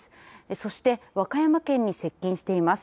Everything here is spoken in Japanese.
そして和歌山県に接近しています。